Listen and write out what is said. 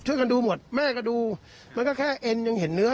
กันดูหมดแม่ก็ดูมันก็แค่เอ็นยังเห็นเนื้อ